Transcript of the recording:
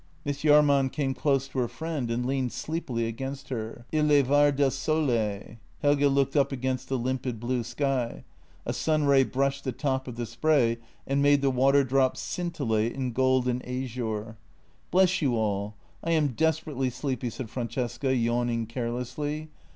Miss Jahrman came close to her friend and leaned sleepily against her :" II levar del sole." Helge looked up against the limpid blue sky; a sunray brushed the top of the spray and made the waterdrops scintillate in gold and azure. " Bless you all, I am desperately sleepy," said Francesca, yawning carelessly.